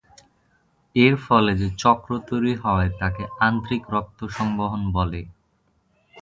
এর ফলে যে চক্র তৈরি হয় তাকে আন্ত্রিক রক্তসংবহন বলে।